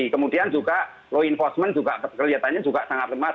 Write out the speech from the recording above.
kemudian juga law enforcement juga kelihatannya juga sangat lemah